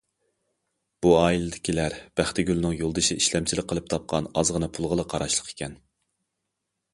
بۇ ئائىلىدىكىلەر بەختىگۈلنىڭ يولدىشى ئىشلەمچىلىك قىلىپ تاپقان ئازغىنە پۇلغىلا قاراشلىق ئىكەن.